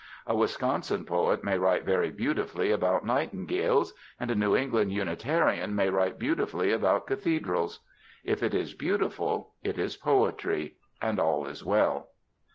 A Wisconsin poet may write very beautifully about nightingales, and a New England Unitarian may write beautifully about cathedrals; if it is beautiful, it is poetry, and all is well.